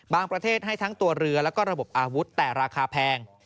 ประเทศให้ทั้งตัวเรือแล้วก็ระบบอาวุธแต่ราคาแพง